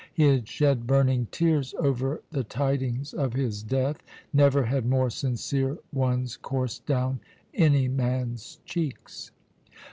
He had shed burning tears over the tidings of his death. Never had more sincere ones coursed down any man's cheeks.